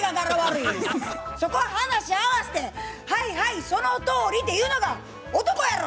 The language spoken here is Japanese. そこは話合わせて「はいはいそのとおり」って言うのが男やろ。